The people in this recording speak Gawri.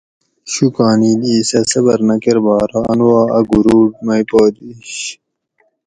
شوکانیل ایسۂ صبر نہ کربا ارو ان وا اۤ گوروٹ مئ پا دیش